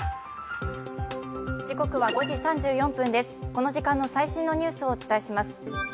この時間の最新のニュースをお伝えします。